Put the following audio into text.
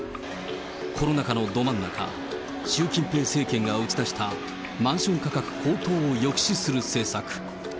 コロナ禍のど真ん中、習近平政権が打ち出したマンション価格高騰を抑止する政策。